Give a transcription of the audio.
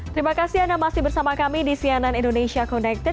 terima kasih anda masih bersama kami di cnn indonesia connected